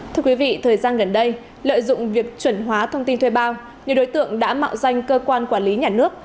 thưa quý vị thời gian gần đây lợi dụng việc chuẩn hóa thông tin thuê bao nhiều đối tượng đã mạo danh cơ quan quản lý nhà nước